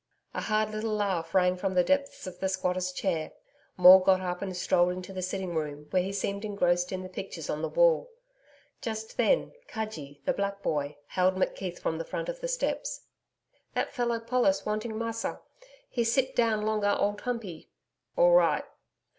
A hard little laugh rang from the depths of the squatter's chair. Maule got up and strolled into the sitting room, where he seemed engrossed in the pictures on the wall. Just then Cudgee, the black boy, hailed McKeith from the foot of the steps. 'That fellow pollis man want'ing Massa. He sit down long a Old Humpey.' 'All right.'